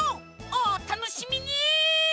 おたのしみに！